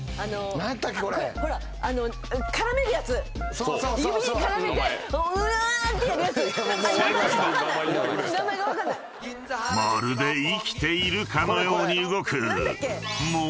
［まるで生きているかのように動く］